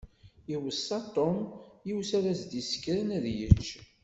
Iweṣṣa Tom yiwet ara s-d-isekren ad yečč.